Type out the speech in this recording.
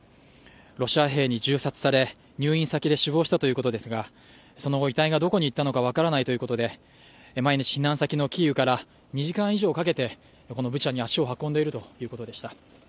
ロシア兵に銃殺され入院先で死亡したということですが、その後、遺体がどこにいったのか分からないということで毎日避難先のキーウから２時間以上かけて、このブチャに足を運んでいるということでした。